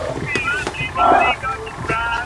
ცეზიუმი ყველა ელემენტზე ელექტროდადებითი ელემენტია.